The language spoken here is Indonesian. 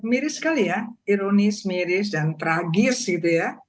mirip sekali ya ironis miris dan tragis gitu ya